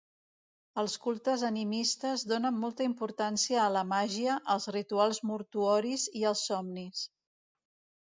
Els cultes animistes donen molta importància a la màgia, als rituals mortuoris i als somnis.